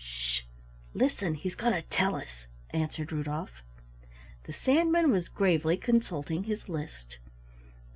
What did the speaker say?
"Sh! Listen, he's going to tell us," answered Rudolf. The Sandman was gravely consulting his list.